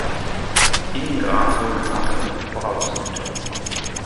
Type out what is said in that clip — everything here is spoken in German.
Ingram wurde Makler für Verbrauchsgüter.